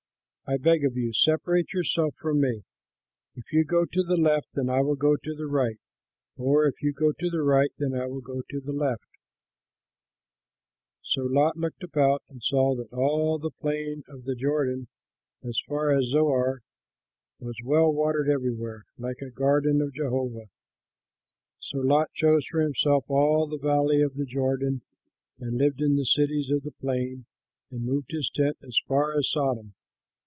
I beg of you, separate yourself from me. If you go to the left, then I will go to the right; or if you go to the right, then I will go to the left." [Illustration: Building the Tower of Babel Painted by J. James Tissot] So Lot looked about and saw that all the plain of the Jordan, as far as Zoar, was well watered everywhere, like a garden of Jehovah. So Lot chose for himself all the valley of the Jordan, and lived in the cities of the plain and moved his tent as far as Sodom.